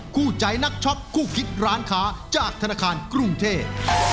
คู่ใจนักช็อปคู่คิดร้านค้าจากธนาคารกรุงเทพ